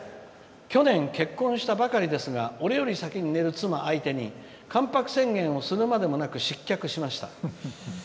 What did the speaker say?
去年結婚したばかりですが俺より先に寝る妻相手に関白宣言をするまでもなく失脚しました。